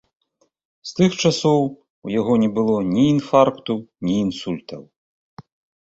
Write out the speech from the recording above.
З тых часоў у яго не было ні інфаркту, ні інсультаў.